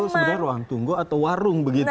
itu sebenarnya ruang tunggu atau warung begitu